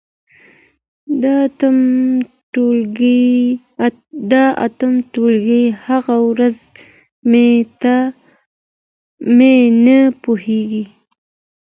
د اتم ټولګي هغه ورځې مي نه هېرېږي.